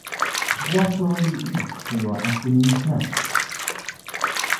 What will you eat for your afternoon snack?